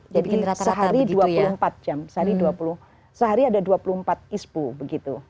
jadi sehari dua puluh empat jam sehari ada dua puluh empat ispu begitu